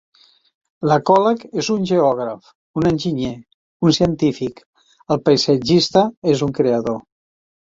L'ecòleg és un Geògraf, un enginyer, un científic, el paisatgista és un creador.